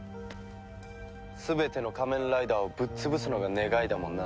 全ての仮面ライダーをぶっ潰すのが願いだもんな。